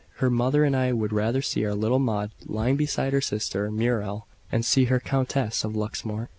Her mother and I would rather see our little Maud lying beside her sister Muriel than see her Countess of Luxmore."